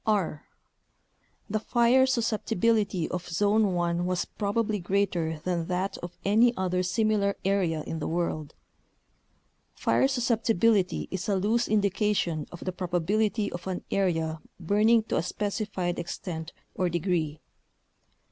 r. The fire susceptibility of Zone 1 was prob ably greater than that of any other similar area in the world. Fire susceptibility is a loose indication of the probability of an area burning to a specified extent or degree.